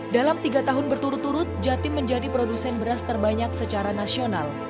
dalam tiga tahun berturut turut jatim menjadi produsen beras terbanyak secara nasional